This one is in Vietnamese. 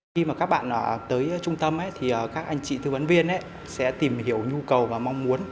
khi mà các bạn tới trung tâm thì các anh chị thư vấn viên sẽ tìm hiểu nhu cầu và mong muốn